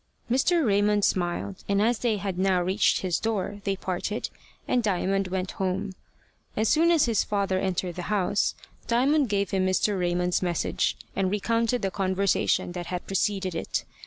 Mr. Raymond smiled, and as they had now reached his door, they parted, and Diamond went home. As soon as his father entered the house, Diamond gave him Mr. Raymond's message, and recounted the conversation that had preceded it.